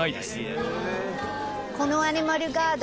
このアニマルガード